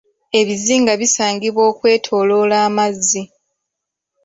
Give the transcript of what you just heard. Ebizinga bisangibwa okwetoloola amazzi.